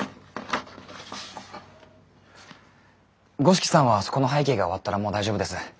五色さんはそこの背景が終わったらもう大丈夫です。